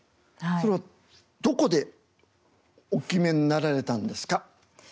それはどこでお決めになられたんですか？